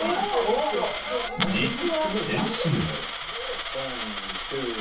実は先週。